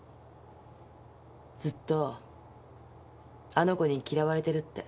ずっとあの子に嫌われてるって。